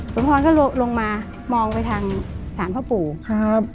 สมพรก็ลงมามองไปทางศาลพ่อปู่ครับ